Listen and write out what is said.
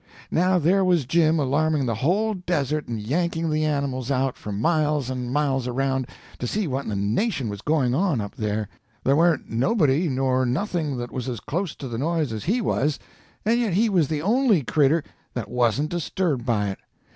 Now there was Jim alarming the whole Desert, and yanking the animals out, for miles and miles around, to see what in the nation was going on up there; there warn't nobody nor nothing that was as close to the noise as he was, and yet he was the only cretur that wasn't disturbed by it.